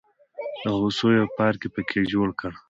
د هوسیو یو پارک یې په کې جوړ کړ.